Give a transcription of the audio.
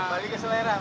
balik ke selera